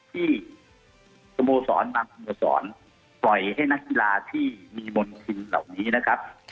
ที่สโมศรนำสโมศรปล่อยให้นักธิราที่มีมนติศิลป์เหล่านี้นะครับ